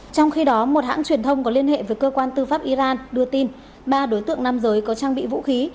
trong khi đó một hãng truyền thông có liên hệ với cơ quan tư pháp iran đưa tin ba đối tượng nam giới có trang bị vũ khí